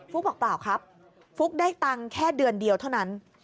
บอกเปล่าครับฟุ๊กได้ตังค์แค่เดือนเดียวเท่านั้น